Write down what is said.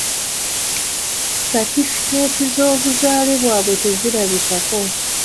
Satifikeeti z'obuzaale bwabwe tezirabikako.